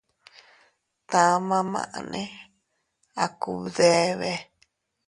Tama maʼne a kubdebe.